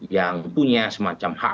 yang punya semacam hak